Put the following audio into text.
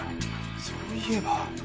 そういえば。